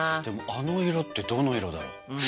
でもあの色ってどの色だろう？